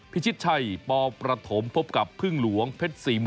พิชิตชัยปประถมพบกับพึ่งหลวงเพชร๔๐๐